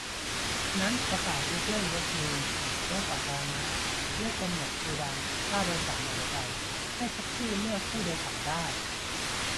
งั้นประกาศยกเลิกรถเมล์ รถสาธารณะ เลิกกำหนดเพดานค่าโดยสารมอไซค์ ให้แท็กซี่เลือกผู้โดยสารได้